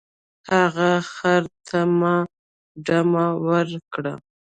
هغه خر ته دمه ورکړه.